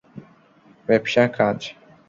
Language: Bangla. ব্যবসা, কাজ।